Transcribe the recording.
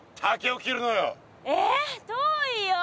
遠いよ。